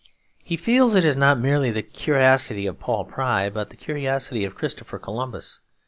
He feels it is not merely the curiosity of Paul Pry, but the curiosity of Christopher Columbus.